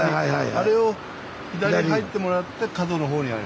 あれを左に入ってもらって角の方にある。